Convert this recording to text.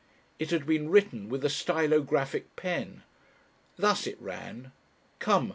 It had been written with a stylographic pen. Thus it ran: "_Come!